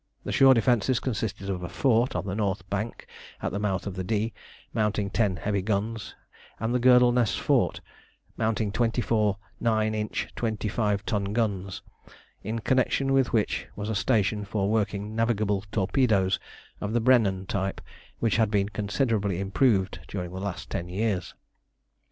The shore defences consisted of a fort on the north bank at the mouth of the Dee, mounting ten heavy guns, and the Girdleness fort, mounting twenty four 9 inch twenty five ton guns, in connection with which was a station for working navigable torpedoes of the Brennan type, which had been considerably improved during the last ten years.